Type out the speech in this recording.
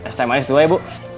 s t manis dua ya bu